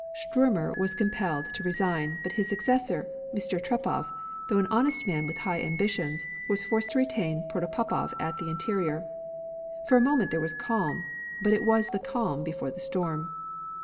Stuermer was compelled to resign, but his successor, M. Trepov, though an honest man with high ambitions, was forced to retain Protopopov at the Interior. For a moment there was calm. But it was the calm before the storm.